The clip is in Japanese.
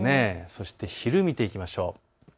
そして昼を見ていきましょう。